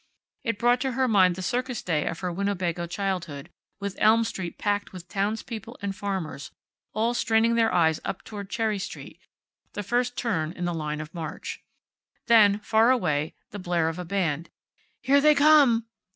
It brought to her mind the Circus Day of her Winnebago childhood, with Elm street packed with townspeople and farmers, all straining their eyes up toward Cherry street, the first turn in the line of march. Then, far away, the blare of a band. "Here they come!"